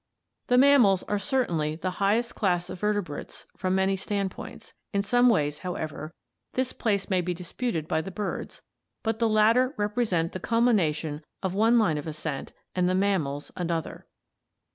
The mammals are certainly the highest class of vertebrates from many standpoints; in some ways, however, this place may be dis puted by the birds, but the latter represent the culmination of one line of ascent and the mammals another.